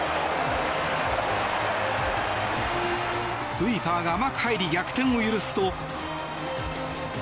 スイーパーが甘く入り逆転を許すと。